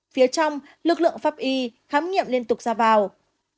phía trong lực lượng pháp y khám nghiệm liên tục ra vào